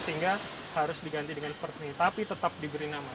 sehingga harus diganti dengan seperti ini tapi tetap diberi nama